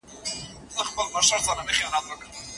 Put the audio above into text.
پرته له تاریخه ملتونه ورک کېږي.